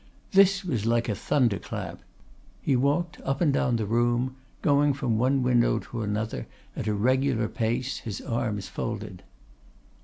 This was like a thunder clap. He walked up and down the room, going from one window to another at a regular pace, his arms folded.